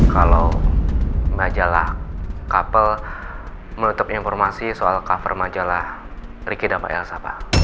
kalau majalah kapel meletup informasi soal cover majalah riki dan pak elsa pak